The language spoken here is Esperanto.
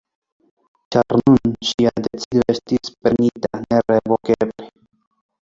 Ĉar nun ŝia decido estis prenita nerevokeble.